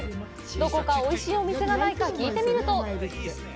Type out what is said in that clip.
どこかおいしいお店がないか聞いてみると。